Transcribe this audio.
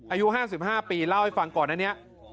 อายุ๕๕ปีเล่าให้ฟังก่อนอันนี้